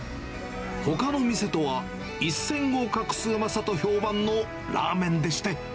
ほかの店とは一線を画すうまさと評判のラーメンでして。